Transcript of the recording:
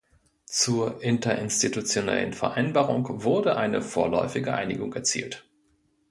Zur Interinstitutionellen Vereinbarung wurde eine vorläufige Einigung erzielt.